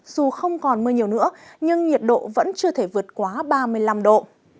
dù không còn mưa nhiều nữa nhưng nhiệt độ vẫn chưa thể vượt quá ba mươi năm độ